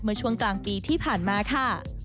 ช่วงกลางปีที่ผ่านมาค่ะ